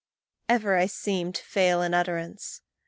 Ever seem to fail in utterance.